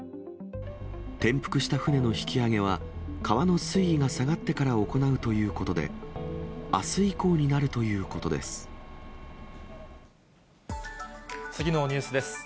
転覆した船の引き揚げは、川の水位が下がってから行うということで、あす以降になるという次のニュースです。